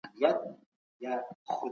نا امني په ټولنه کي ویره خپروي.